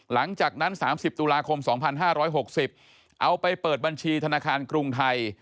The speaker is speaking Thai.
หลังจากนั้น๓๐ตุลาคม๒๕๖๐เอาไปเปิดบัญชีธนาคารกรุงไทย